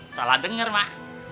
salah denger mak